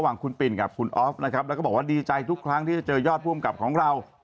ของคุณปิ่นกับคุณออฟนะครับแล้วก็บอกว่าดีใจทุกครั้งที่จะเจอยอดผู้อำกับของเรา